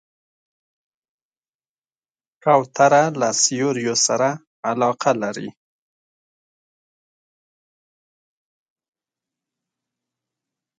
کوتره له سیوریو سره علاقه لري.